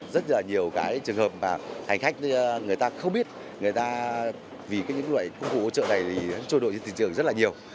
rất nhiều trường hợp hành khách không biết vì những công cụ hỗ trợ này trôi đổi trên thị trường rất nhiều